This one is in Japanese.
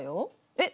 えっ？